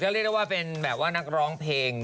ก็เรียกได้ว่าเป็นนักร้องเพลง